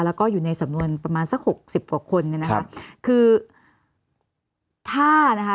แล้วก็อยู่ในสำนวนประมาณสักหกสิบกว่าคนเนี่ยนะคะคือถ้านะคะ